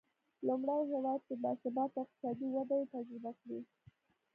لومړی هېواد چې با ثباته اقتصادي وده یې تجربه کړې.